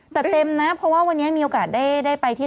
แต่เต็มนะเพราะว่าวันนี้มีโอกาสได้ไปที่